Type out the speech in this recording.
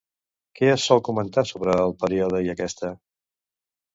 Què es sol comentar sobre el període i aquesta?